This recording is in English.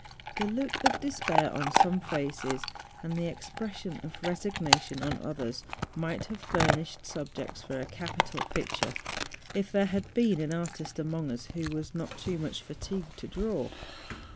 The look of despair on some faces, and the ex¬ pression of resignation on others, might have fur¬ nished subjects for a capital picture, if there had been an artist among us who was not too much fatigued to draw.